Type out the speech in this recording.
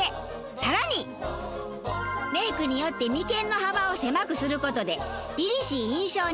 さらにメイクによって眉間の幅を狭くする事でりりしい印象に。